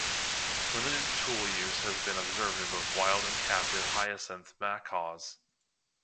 Limited tool use has been observed in both wild and captive hyacinth macaws.